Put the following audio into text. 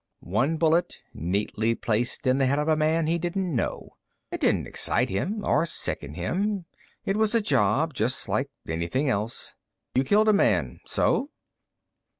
One bullet, neatly placed in the head of a man he didn't know. It didn't excite him or sicken him. It was a job, just like anything else. You killed a man. So?